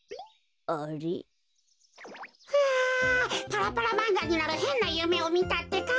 パラパラまんがになるへんなゆめをみたってか。